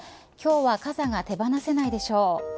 今日は傘が手放せないでしょう。